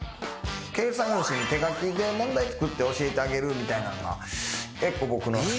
計算用紙に手書きで問題作って教えてあげるみたいなのが結構僕の好きな教え方です。